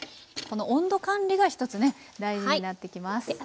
この温度管理が一つね大事になってきます。